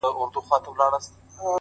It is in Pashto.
د هر غم په ښهرگو کي آهتزاز دی!!